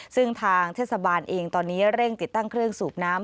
ซึ่งทางเทศบาลเองตอนนี้เร่งติดตั้งเครื่องสูบน้ำ